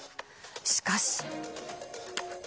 しかし。